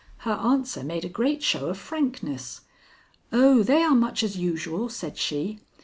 Her answer made a great show of frankness. "Oh, they are much as usual," said she.